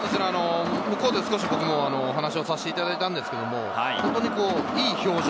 向こうで僕も少しお話をさせていただいたんですけれど、いい表情。